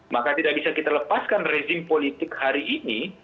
maka tidak bisa kita lepaskan rezim politik hari ini